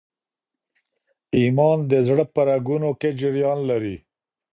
ایمان د زړه په رګونو کي جریان لري.